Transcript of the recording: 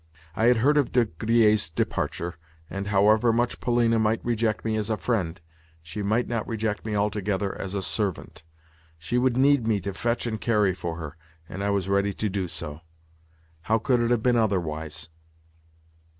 I had heard of De Griers' departure, and, however much Polina might reject me as a friend, she might not reject me altogether as a servant. She would need me to fetch and carry for her, and I was ready to do so. How could it have been otherwise?